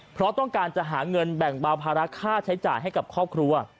เพราะต้องการจะหาเงินแบ่งเบาภาระค่าใช้จ่ายให้กับครอบครัว